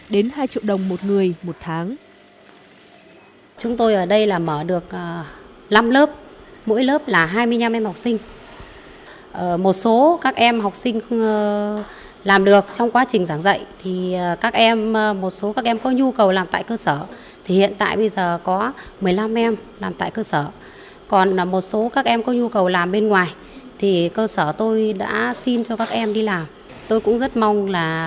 đến hai triệu đồng một người một tháng